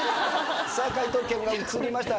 さあ解答権が移りました。